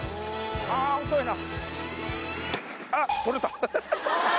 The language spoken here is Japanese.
あぁ遅いな。